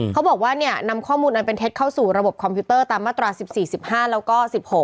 เขาบอกว่านำข้อมูลอันเป็นเท็จเข้าสู่ระบบคอมพิวเตอร์ตามมาตรา๑๔๑๕แล้วก็๑๖